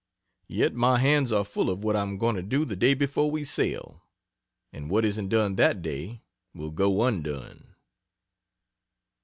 Yet my hands are full of what I am going to do the day before we sail and what isn't done that day will go undone.